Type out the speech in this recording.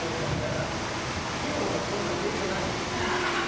だって、飽きるほど今回できてないもん。